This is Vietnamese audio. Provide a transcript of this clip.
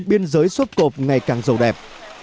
biên giới xốp cộp ngày càng giàu đẹp